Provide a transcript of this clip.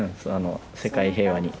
世界平和に。